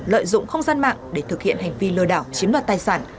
lợi dụng không gian mạng để thực hiện hành vi lừa đảo chiếm đoạt tài sản